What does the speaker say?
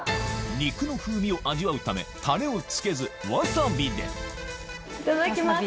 肉の風味を味わうためタレを付けずわさびでいただきます。